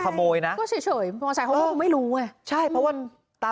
ขโมยนะก็เฉยเฉยมอเตอร์ไซส์เขาไม่รู้อ่ะใช่เพราะว่าตา